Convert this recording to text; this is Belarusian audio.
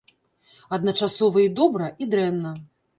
Адначасова і добра, і дрэнна.